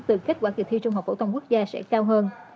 từ kết quả kỳ thi trung học phổ thông quốc gia sẽ cao hơn